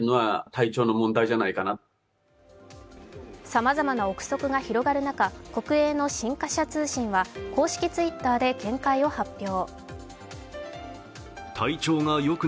さまざまな臆測が広がる中、国営の新華社通信は公式Ｔｗｉｔｔｅｒで見解を発表。